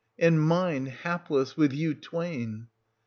And mine, hapless, with you twain.